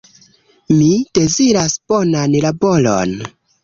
Mi deziras bonan laboron